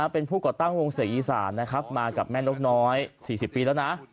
เป็นผู้ก่อตั้งวงเสกอีสานนะครับมากับแม่นกน้อย๔๐ปีแล้วนะ